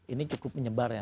ini cukup menyebar ya